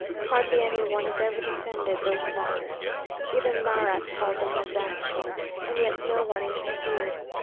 Hardly any one has ever defended those slaughters. Even Marat called them "disastrous," and yet no one interfered.